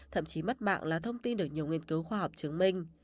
thậm chí mất mạng là thông tin được nhiều nghiên cứu khoa học chứng minh